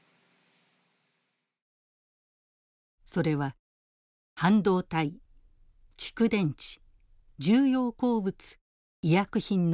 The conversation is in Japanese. それは半導体蓄電池重要鉱物医薬品の４分野。